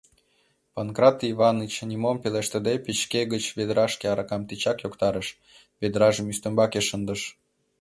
Панкрат Иваныч нимом пелештыде печке гыч ведрашке аракам тичак йоктарыш, ведражым ӱстембаке шындыш.